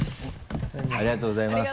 ありがとうございます。